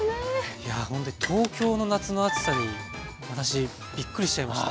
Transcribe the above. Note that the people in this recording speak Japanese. いやほんとに東京の夏の暑さに私びっくりしちゃいました。